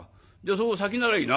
その先ならいいな？」。